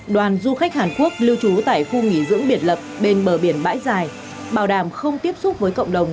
đoàn du khách hàn quốc lưu trú tại khu nghỉ dưỡng biệt lập bên bờ biển bãi dài bảo đảm không tiếp xúc với cộng đồng